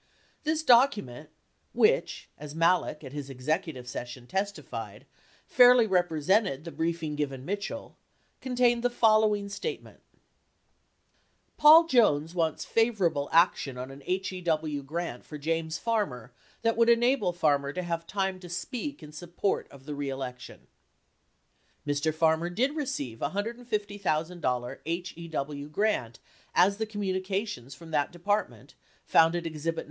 This document — which, as Malek at his executive session testified, fairly represented the briefing given Mitchell 66 — contained the following statement : Paul Jones wants favorable action on an HEW grant for James Farmer that would enable Farmer to have time to speak in support of the re election. Mr. Farmer did receive a $150,000 HEW grant as the communications from that Department, found at exhibit No.